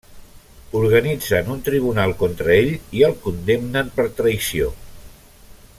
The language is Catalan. Organitzen un tribunal contra ell, i el condemnen per traïció.